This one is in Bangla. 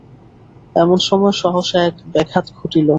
এমন সময় সহসা এক ব্যাঘাত ঘটিল।